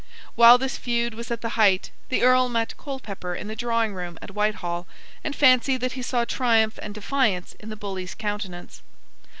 While this feud was at the height the Earl met Colepepper in the drawingroom at Whitehall, and fancied that he saw triumph and defiance in the bully's countenance.